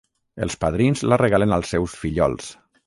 Els padrins la regalen als seus fillols.